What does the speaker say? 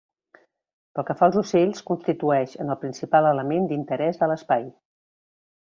Pel que fa als ocells, constitueix en el principal element d'interès de l'espai.